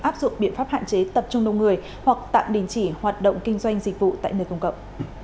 áp dụng biện pháp hạn chế tập trung đông người hoặc tạm đình chỉ hoạt động kinh doanh dịch vụ tại nơi công cộng